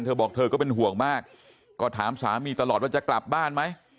เธอบอกเธอก็เป็นห่วงมากก็ถามสามีตลอดว่าจะกลับบ้านไหม